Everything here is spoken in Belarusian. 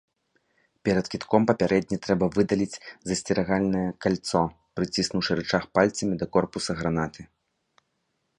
Перад кідком папярэдне трэба выдаліць засцерагальнае кальцо, прыціснуўшы рычаг пальцамі да корпуса гранаты.